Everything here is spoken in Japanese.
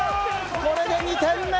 これで２点目！